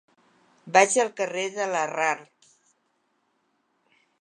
Vaig al carrer de Larrard.